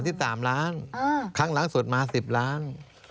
ตอนแรก๓๓ล้านครั้งหลังสุดมา๑๐ล้าน